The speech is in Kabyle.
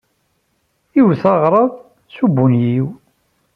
Iwet aɣrab s ubunyiw.